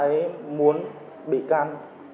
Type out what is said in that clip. bạn ấy muốn bị can